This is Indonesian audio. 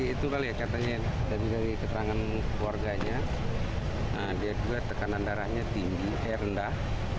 itu kali ya katanya dari keterangan keluarganya dia juga tekanan darahnya tinggi air rendah